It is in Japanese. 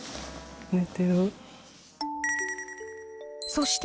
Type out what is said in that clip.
そして。